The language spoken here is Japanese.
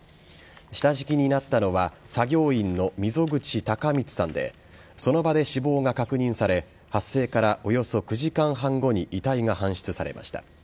下敷きになったのは作業員の溝口貴光さんでその場で死亡が確認され発生からおよそ９時間半後に遺体が搬出されました。